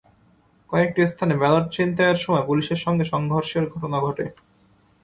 কয়েকটি স্থানে ব্যালট ছিনতাইয়ের সময় পুলিশের সঙ্গে সংঘর্ষের ঘটনা ঘটে।